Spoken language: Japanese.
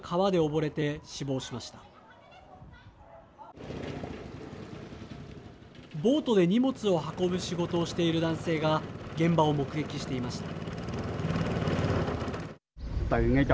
ボードで荷物を運ぶ仕事をしている男性が現場を目撃していました。